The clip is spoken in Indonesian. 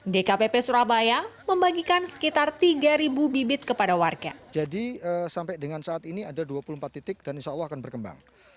dkpp surabaya membagikan sekitar tiga bibit kepada warga